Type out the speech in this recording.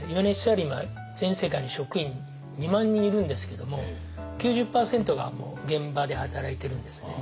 今全世界に職員２万人いるんですけども９０％が現場で働いてるんですよね。